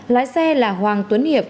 lái xe là hoàng tuấn hiệp